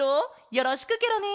よろしくケロね！